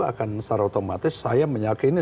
akan secara otomatis saya meyakini